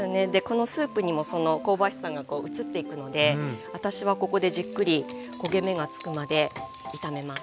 このスープにもその香ばしさが移っていくので私はここでじっくり焦げ目がつくまで炒めます。